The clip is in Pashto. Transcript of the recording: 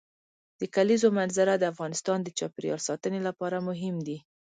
د کلیزو منظره د افغانستان د چاپیریال ساتنې لپاره مهم دي.